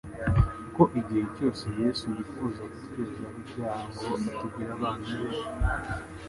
Kuko igihe cyose Yesu yifuza kutwezaho ibyaha ngo atugire abana be,